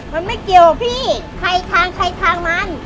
มันไม่เกี่ยวพี่ใครทางใครทางมัน